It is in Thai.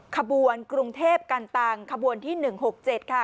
ขบวนกรุงเทพกันตังขบวนที่๑๖๗ค่ะ